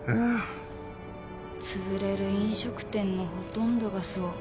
潰れる飲食店のほとんどがそう。